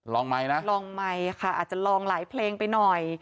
ไมค์นะลองไมค์ค่ะอาจจะลองหลายเพลงไปหน่อย